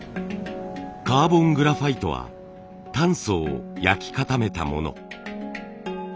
カーボングラファイトは炭素を焼き固めたもの。